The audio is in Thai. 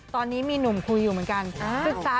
ตอนนี้มีหนุ่มคุยอยู่เหมือนกัน